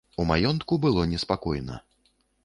У маёнтку было неспакойна.